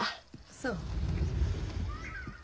そう。